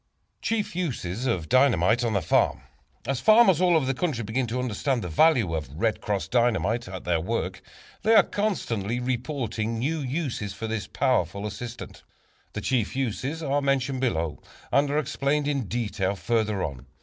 Chief Uses of Dynamite on the Farm. As farmers all over the country begin to understand the value of "Red Cross" Dynamite in their work, they are constantly reporting new uses for this powerful assistant. The chief uses are mentioned below and are explained in detail further on.